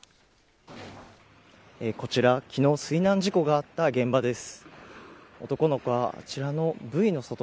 こちら、昨日水難事故があった現場です。